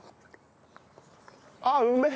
あっうめえ。